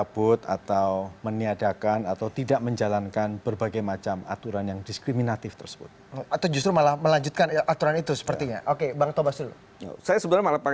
pertanyaan mata yang akan kita lakukan lagi dari youtube yaitu lo yang sudah saling melalui kebetulan